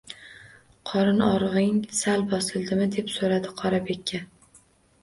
– Qorin og‘rig‘ing sal bosildimi? – deb so‘radi Qorabeka